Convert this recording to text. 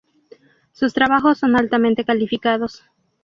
Sus trabajos son altamente calificados.